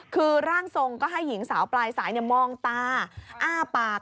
คือร่างทรงก็ให้หญิงสาวปลายสายมองตาอ้าปาก